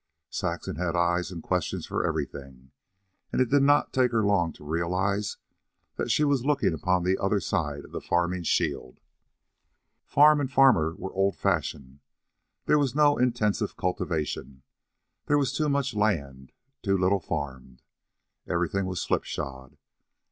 Saxon had eyes and questions for everything, and it did not take her long to realize that she was looking upon the other side of the farming shield. Farm and farmer were old fashioned. There was no intensive cultivation. There was too much land too little farmed. Everything was slipshod.